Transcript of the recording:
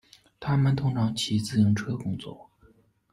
他们通常骑自行车工作。